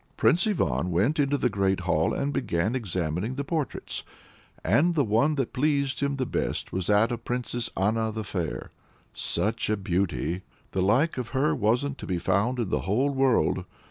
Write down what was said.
Prince Ivan went into the great hall, and began examining the portraits. And the one that pleased him best was that of the Princess Anna the Fair such a beauty! the like of her wasn't to be found in the whole world!